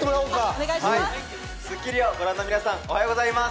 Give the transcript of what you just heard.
『スッキリ』をご覧の皆さん、おはようございます。